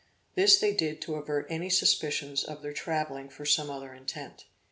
This they did to avert any suspicions of their travelling for some other intent.